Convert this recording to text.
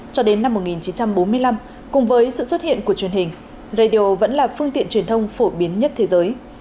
cho đến năm một nghìn chín trăm bốn mươi năm cùng với sự xuất hiện của truyền hình radio vẫn là phương tiện truyền thông phổ biến nhất thế giới